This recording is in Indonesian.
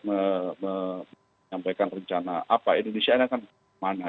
menyampaikan rencana apa indonesia ini akan kemana